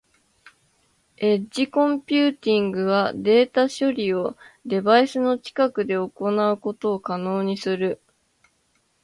エッジコンピューティングはデータ処理をデバイスの近くで行うことを可能にする。